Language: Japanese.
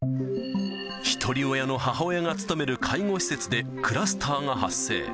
ひとり親の母親が勤める介護施設でクラスターが発生。